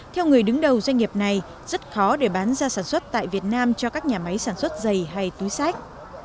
theo người đứng đầu doanh nghiệp này rất khó để bán ra sản xuất tại việt nam cho các nhà máy sản xuất dày hay túi sách